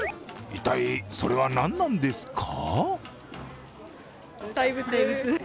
一帯、それはなんなんですか？